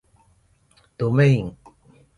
どめいん